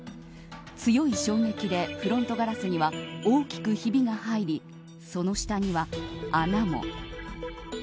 強い衝撃でフロントガラスには大きくひびが入りその下には穴も。